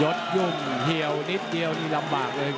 ยุ่งเหี่ยวนิดเดียวนี่ลำบากเลย